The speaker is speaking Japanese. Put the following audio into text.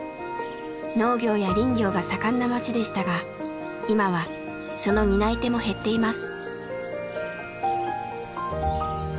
農業や林業が盛んな町でしたが今はその担い手も減っています。